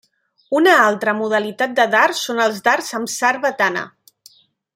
Una altra modalitat de dards són els dards amb sarbatana.